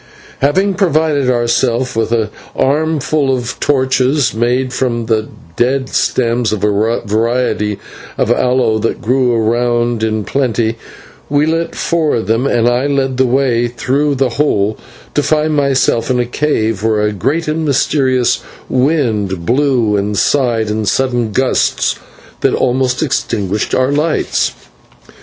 Having provided ourselves with an armful of torches made from the dead stems of a variety of aloe that grew around in plenty, we lit four of them, and I led the way through the hole to find myself in a cave where a great and mysterious wind blew and sighed in sudden gusts that almost extinguished our lights.